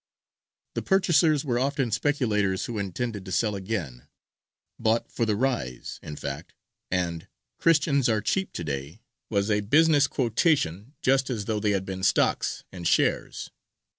The purchasers were often speculators who intended to sell again, "bought for the rise," in fact; and "Christians are cheap to day" was a business quotation, just as though they had been stocks and shares.